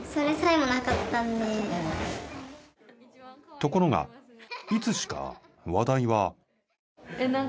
ところがいつしか話題は。